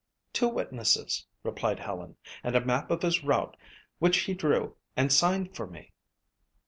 "Two witnesses," replied Helen, "and a map of his route which he drew and signed for me."